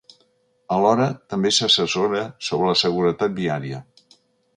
Alhora, també s’assessora sobre la seguretat viària.